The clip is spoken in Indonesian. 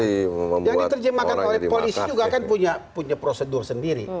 yang jadi terjemahkan oleh polisi juga akan punya prosedur sendiri